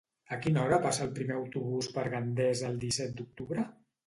A quina hora passa el primer autobús per Gandesa el disset d'octubre?